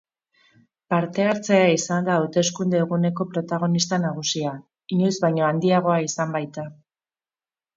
Parte-hartzea izan da hauteskunde-eguneko protagonista nagusia, inoiz baino handiagoa izan baita.